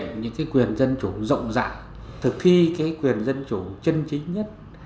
thực hiện những quyền dân chủ rộng rãi thực thi quyền dân chủ chân chính nhất